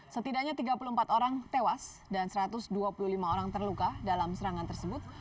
setidaknya tiga puluh empat orang tewas dan satu ratus dua puluh lima orang terluka dalam serangan tersebut